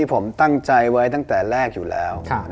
ผมตั้งใจไว้ตั้งแต่แรกอยู่แล้ว